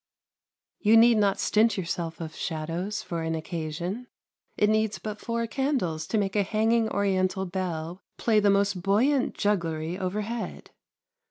You need not stint yourself of shadows, for an occasion. It needs but four candles to make a hanging Oriental bell play the most buoyant jugglery overhead.